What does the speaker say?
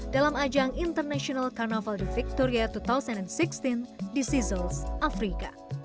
dalam ajang international carnaval the victoria dua ribu enam belas di seazels afrika